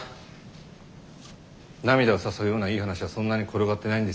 涙を誘うようないい話はそんなに転がってないんですよ。